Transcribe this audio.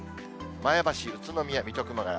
前橋、宇都宮、水戸、熊谷。